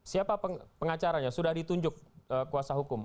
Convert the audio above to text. siapa pengacaranya sudah ditunjuk kuasa hukum